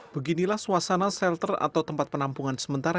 beginilah suasana shelter atau tempat penampungan sementara